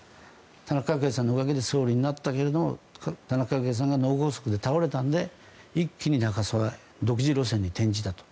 田中角栄さんのおかげで総理になったけれども田中角栄さんが脳梗塞で倒れたんで一気に中曽根独自路線に転じたと。